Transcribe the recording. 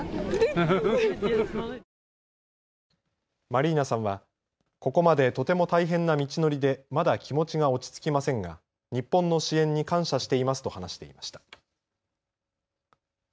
マリーナさんはここまでとても大変な道のりでまだ気持ちが落ち着きませんが日本の支援に感謝していますと話していました。